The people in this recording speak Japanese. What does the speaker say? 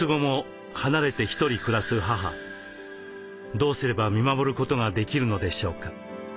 どうすれば見守ることができるのでしょうか。